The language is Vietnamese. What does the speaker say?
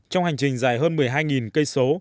trong hành trình dài hơn một mươi hai km